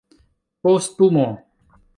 kostumo